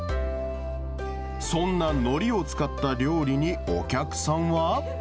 そんなのりを使った料理にお客さんは。